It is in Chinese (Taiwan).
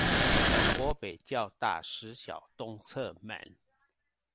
國北教大實小東側門